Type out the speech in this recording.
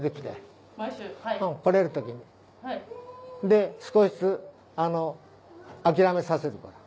で少しずつ諦めさせるから。